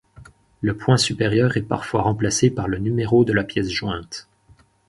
Le point supérieur est parfois remplacé par le numéro de la pièce jointe.